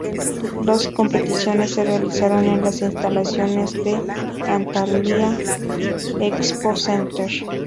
Las competiciones se realizaron en las instalaciones del Antalya Expo Center.